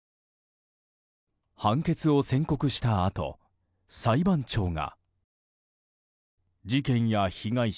判決を宣告したあと裁判長が。